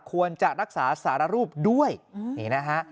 ควรจะรักษาสารรูปด้วยนี่นะฮะ